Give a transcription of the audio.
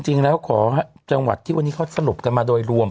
จริงแล้วขอจังหวัดที่วันนี้เขาสรุปกันมาโดยรวม